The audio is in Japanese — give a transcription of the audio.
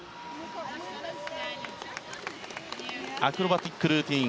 アクロバティックルーティン